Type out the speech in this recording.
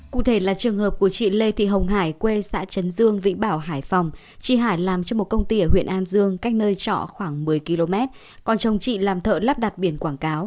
cụ thể là trường hợp của chị lê thị hồng hải quê xã chấn dương vĩnh bảo hải phòng chị hải làm cho một công ty ở huyện an dương cách nơi trọ khoảng một mươi km còn chồng chị làm thợ lắp đặt biển quảng cáo